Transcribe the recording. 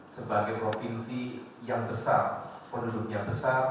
sebagai provinsi yang besar penduduknya besar